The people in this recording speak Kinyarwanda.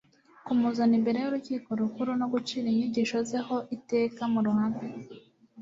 Kumuzana imbere y’Urukiko Rukuru no gucira inyigisho Ze ho iteka mu ruhame,